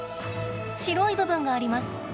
白い部分があります。